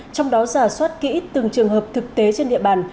trong đó giả soát kỹ từng trường hợp thực tế trên địa bàn